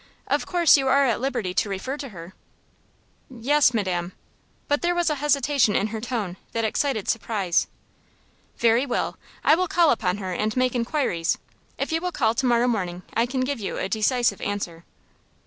Of course you are at liberty to refer to her?" "Yes, madam," but there was a hesitation in her tone that excited suspicion. "Very well; I will call upon her and make inquiries. If you will call to morrow morning, I can give you a decisive answer."